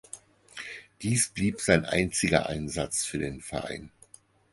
Dies blieb sein einziger Einsatz für den Verein.